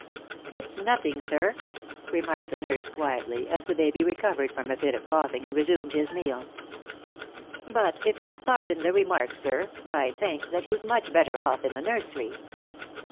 "It's nothing, sir," remarked the nurse, quietly, as the baby recovered from a fit of coughing and resumed his meal. "But, if you'll pardon the remark, sir, I think that he's much better off in the nursery."